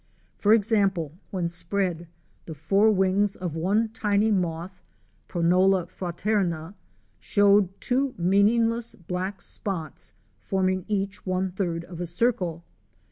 For ex ample, when spread, the fore wings of one tiny moth (Pro nola fraterna) showed two meaningless black spots forming each one third of a circle.